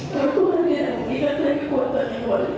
saya akan menemukan kekuatan yang lebih kuat